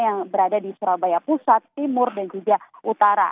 yang berada di surabaya pusat timur dan juga utara